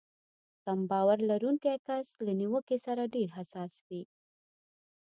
کم باور لرونکی کس له نيوکې سره ډېر حساس وي.